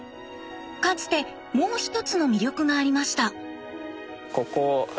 かつてもう一つの魅力がありました。